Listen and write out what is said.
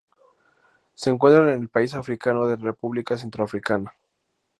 Se encuentran en el país africano de República Centroafricana.